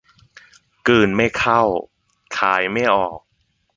กลืนไม่เข้าคายไม่ออก